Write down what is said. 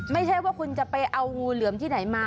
ไม่ใช่ว่าคุณจะไปเอางูเหลือมที่ไหนมา